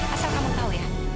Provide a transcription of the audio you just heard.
asal kamu tahu ya